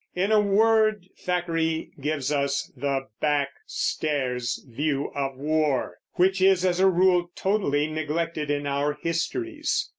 In a word, Thackeray gives us the "back stairs" view of war, which is, as a rule, totally neglected in our histories.